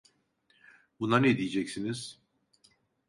Buna ne diyeceksiniz?